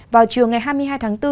vào trường ngày hai mươi hai tháng bốn